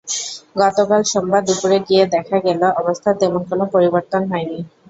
গতকাল সোমবার দুপুরে গিয়ে দেখা গেল, অবস্থার তেমন কোনো পরিবর্তন হয়নি।